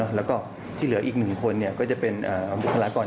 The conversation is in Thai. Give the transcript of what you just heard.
และสำคัญในแห่งของโรงพยาบาลอย่างนั้นต้องการรอบโครงการ